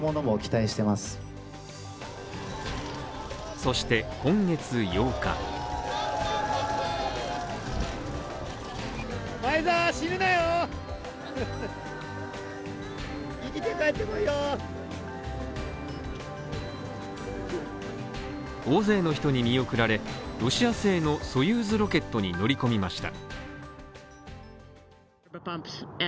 そして、今月８日大勢の人に見送られ、ロシア製のソユーズロケットに乗り込みました。